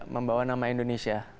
membawa nama indonesia